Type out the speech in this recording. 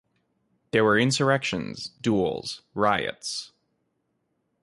There were insurrections, duels, riots.